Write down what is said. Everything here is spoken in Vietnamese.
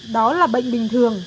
đó là bệnh bình thường